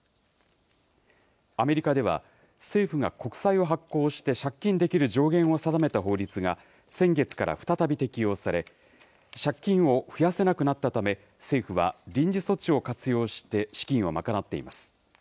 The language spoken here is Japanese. アメリカでは、政府が国債を発行して借金できる上限を定めた法律が先月から再び適用され、借金を増やせなくなったため、政府は臨時措置を活用して資金を賄っています。